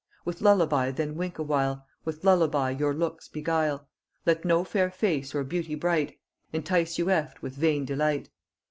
With lullaby then wink awhile, With lullaby your looks beguile: Let no fair face or beauty bright Entice you eft with vain delight.